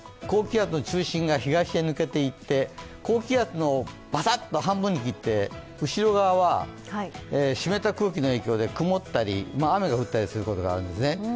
高気圧の中心が東へ抜けていって、高気圧をばさっと半分に切って後ろ側は湿った空気の影響で曇ったり、雨が降ったりすることがあるんですね。